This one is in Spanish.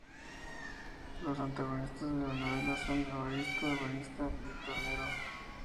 Los antagonistas de la novela son Evaristo, ebanista y tornero.